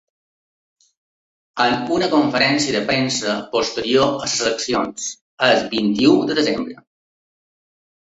En una conferència de premsa posterior a les eleccions, el vint-i-u de desembre.